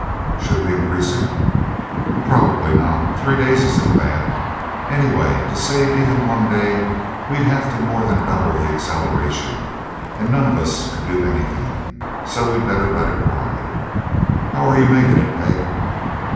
Should we increase it?" "Probably not three days isn't bad. Anyway, to save even one day we'd have to more than double the acceleration, and none of us could do anything, so we'd better let it ride. How're you making it, Peg?"